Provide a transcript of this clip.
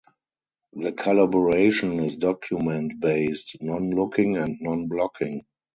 The collaboration is document-based, non-locking, and non-blocking.